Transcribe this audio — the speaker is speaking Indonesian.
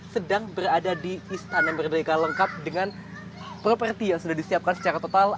sedang berada di istana merdeka lengkap dengan properti yang sudah disiapkan secara total